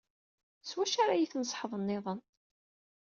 S wacu ara yi-tneṣḥeḍ nniḍen?